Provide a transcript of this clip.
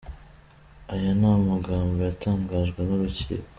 Aya ni amagambo yatangajwe n’urukiko.